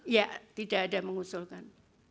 ya tidak ada mengusulkan